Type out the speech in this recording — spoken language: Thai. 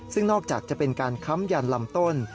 ซึ่งนอกจากจะเป็นการค้ำยันลำต้น